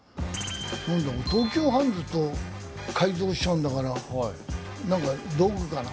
何だろう東急ハンズと改造しちゃうんだから何か道具かな？